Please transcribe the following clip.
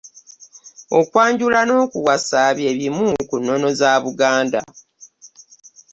Okwanjula n'okuwasa bye bimu ku nnono za Buganda.